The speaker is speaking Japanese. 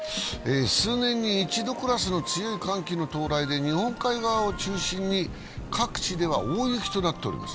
数年に一度クラスの強い寒気の到来で日本海側を中心に各地では大雪となっています。